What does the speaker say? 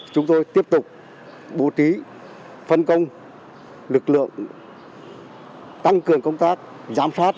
chúng tôi tiếp tục bố trí phân công lực lượng tăng cường công tác giám sát